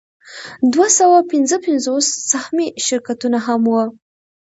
دوه سوه پنځوس سهامي شرکتونه هم وو